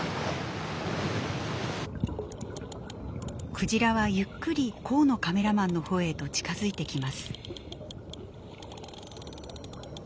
クジラはゆっくり河野カメラマンのほうへと近づいてきます。